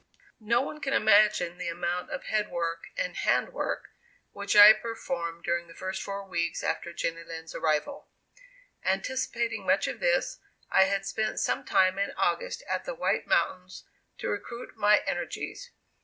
No one can imagine the amount of head work and hand work which I performed during the first four weeks after Jenny Lind's arrival. Anticipating much of this, I had spent some time in August at the White Mountains to recruit my energies.